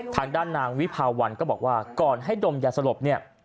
ทางด้านนางวิภาวันก็บอกว่าก่อนให้ดมยาสลบเนี่ย